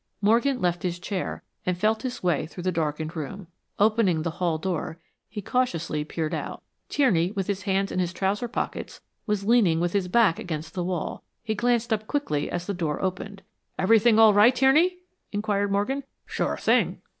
Morgan left his chair and felt his way through the darkened room. Opening the hall door he cautiously peered out. Tierney, with his hands in his trouser pockets, was leaning with his back against the wall. He glanced up quickly as the door opened. "Everything all right, Tierney?" inquired Morgan. "Sure thing."